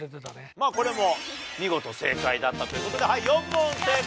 まあこれも見事正解だったという事で４問正解！